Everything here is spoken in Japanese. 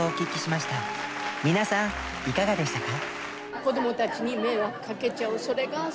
皆さんいかがでしたか？